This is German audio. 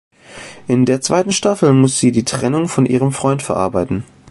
In der zweiten Staffel muss sie die Trennung von ihrem Freund verarbeiten.